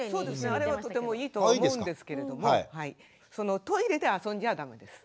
あれはとてもいいと思うんですけれどもトイレで遊んじゃ駄目です。